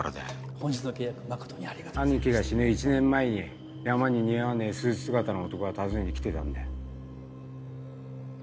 本日の契約兄貴が死ぬ１年前に山に似合わねえスーツ姿の男が訪ねに来てたんだよ。